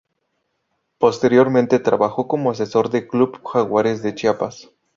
Posteriormente trabajó como asesor del club Jaguares de Chiapas.